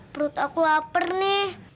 perut aku lapar nih